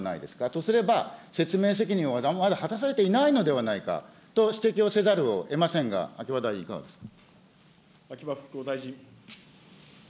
とすれば、説明責任はまだ果たされていないのではないかと指摘をせざるをえませんが、秋葉大臣、いかがですか。